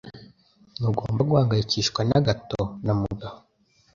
Ntugomba guhangayikishwa na gato na Mugabo.